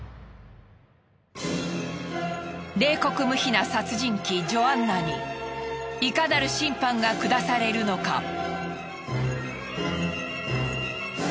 冷酷無比な殺人鬼ジョアンナにいかなる審判が下されるのか。